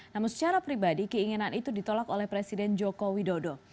namun secara pribadi keinginan itu ditolak oleh presiden joko widodo